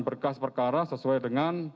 berkas perkara sesuai dengan